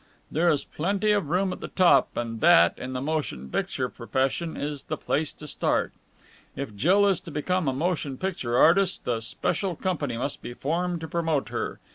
There is plenty of room at the top, and that, in the motion picture profession, is the place to start. If Jill is to become a motion picture artist, a special company must be formed to promote her.